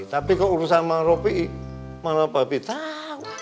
tapi keurusan sama robi mana papi tau